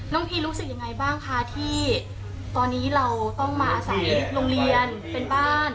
พีรู้สึกยังไงบ้างคะที่ตอนนี้เราต้องมาอาศัยโรงเรียนเป็นบ้าน